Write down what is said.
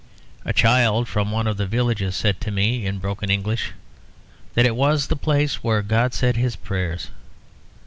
A child from one of the villages said to me, in broken English, that it was the place where God said his prayers.